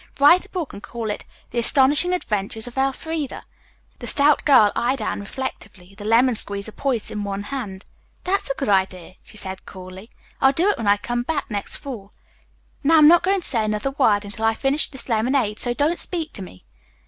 "Write a book and call it 'The Astonishing Adventures of Elfreda'." The stout girl eyed Anne reflectively, the lemon squeezer poised in one hand. "That's a good idea," she said coolly. "I'll do it when I come back next fall. Now I'm not going to say another word until I finish this lemonade, so don't speak to me."